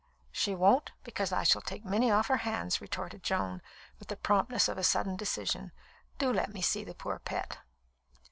"She won't, because I shall take Minnie off her hands," retorted Joan, with the promptness of a sudden decision. "Do let me see the poor pet."